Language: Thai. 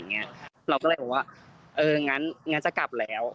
เราก็เลยบอกว่าเอองั้นจะกลับแล้ว